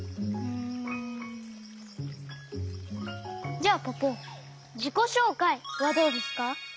じゃあポポじこしょうかいはどうですか？